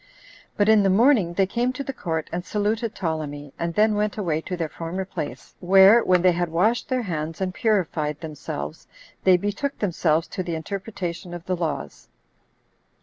But in the morning they came to the court and saluted Ptolemy, and then went away to their former place, where, when they had washed their hands, 10 and purified themselves, they betook themselves to the interpretation of the laws.